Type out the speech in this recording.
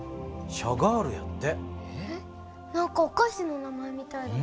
何かおかしの名前みたいだね。